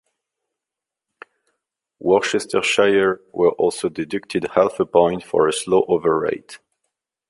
Worcestershire were also deducted half a point for a slow over rate.